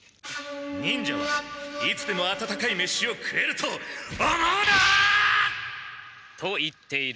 忍者はいつでも温かい飯を食えると思うな！と言っている。